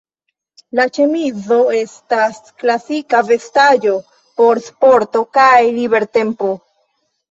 La ĉemizo estas klasika vestaĵo por sporto kaj libertempo.